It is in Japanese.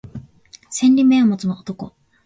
千里眼を持つ男